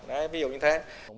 ví dụ như thế